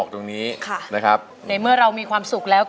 ตอนนี้หายใจทั้งเหงือกอยู่นะ